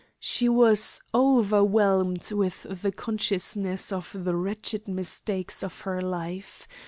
She was overwhelmed with the consciousness of the wretched mistakes of her life.